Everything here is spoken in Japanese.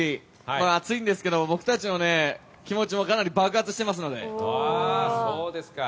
暑いんですけど僕たちの気持ちもかなり爆発してますので。